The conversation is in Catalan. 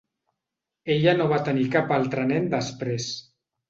Ella no va tenir cap altre nen després.